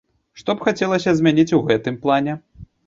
Што б хацелася змяніць у гэтым плане?